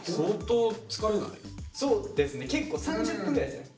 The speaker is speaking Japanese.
そうですね結構３０分ぐらいですね。